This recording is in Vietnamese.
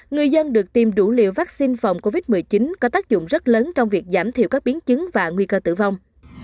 người dân được tiêm đủ liều vaccine phòng covid một mươi chín có tác dụng rất lớn trong việc giảm thiểu các biến chứng và nguy cơ tử vong